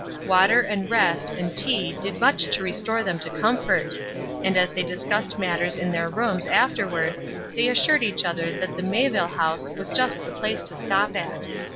Water and rest and tea did much to restore them to comfort, and as they discussed matters in their rooms afterward they assured each other that the Mayville House was just the place to stop at.